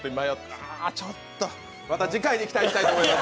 ああ、ちょっと、また次回に期待したいと思います。